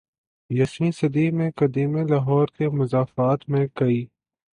یسویں صدی میں قدیم لاہور کے مضافات میں کئی